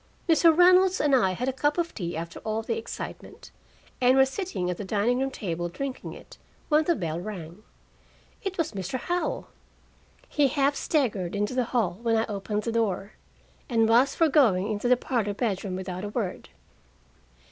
Mr. Reynolds and I had a cup of tea after all the excitement, and were sitting at the dining room table drinking it, when the bell rang. It was Mr. Howell! He half staggered into the hall when I opened the door, and was for going into the parlor bedroom without a word.